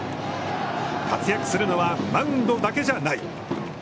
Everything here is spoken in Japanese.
活躍するのは、マウンドだけじゃない。